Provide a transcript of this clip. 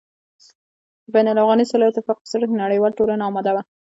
د بين الافغاني سولې او توافق په صورت کې نړېواله ټولنه اماده وه